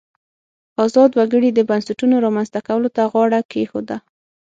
ازاد وګړي د بنسټونو رامنځته کولو ته غاړه کېښوده.